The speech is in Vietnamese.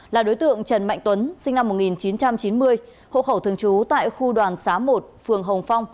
là đối tượng trần mạnh tuấn sinh năm một nghìn chín trăm chín mươi hộ khẩu thường trú tại khu đoàn xá một phường hồng phong